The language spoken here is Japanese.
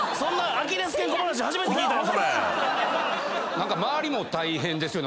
何か周りも大変ですよね。